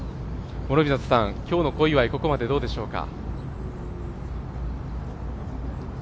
諸見里さん、今日の小祝、ここまでどうでしょうか。